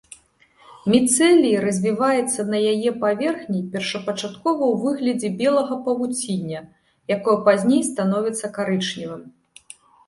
Міцэлій развіваецца на яе паверхні першапачаткова ў выглядзе белага павуціння, якое пазней становіцца карычневым.